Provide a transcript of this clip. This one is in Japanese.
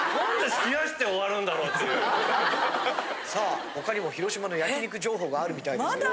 さあ他にも広島の焼き肉情報があるみたいですけど。